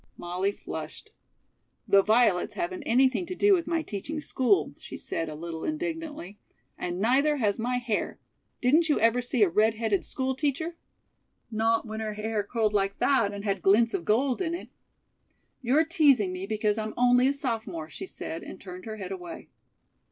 Molly flushed. "The violets haven't anything to do with my teaching school," she said a little indignantly. "And neither has my hair. Didn't you ever see a red headed school teacher?" "Not when her hair curled like that and had glints of gold in it." "You're teasing me because I'm only a sophomore," she said, and turned her head away.